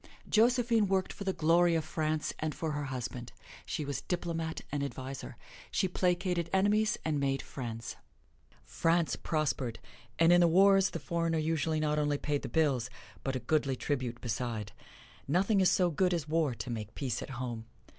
Josephine worked for the glory of France and for her husband: she was diplomat and adviser. She placated enemies and made friends. France prospered, and in the wars the foreigner usually not only paid the bills, but a goodly tribute beside. Nothing is so good as war to make peace at home.